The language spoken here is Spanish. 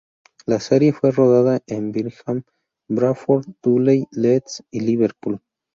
La serie fue rodada en Birmingham, Bradford, Dudley, Leeds y Liverpool.